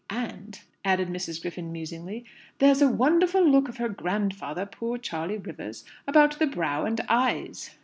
And," added Mrs. Griffin musingly, "there's a wonderful look of her grandfather, poor Charley Rivers, about the brow and eyes."